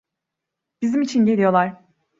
Bizim için geliyorlar.